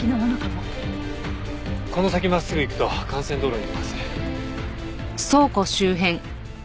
この先真っすぐ行くと幹線道路に出ます。